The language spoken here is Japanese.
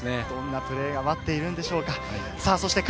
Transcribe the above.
どんなプレーが待っているんでしょうか？